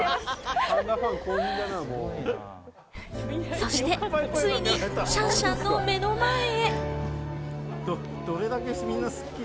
そしてついにシャンシャンの目の前へ。